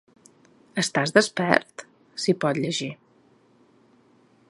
Estàs despert?, s’hi pot llegir.